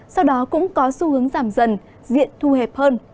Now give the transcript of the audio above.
sau đó cũng có xu hướng giảm dần diện thu hẹp hơn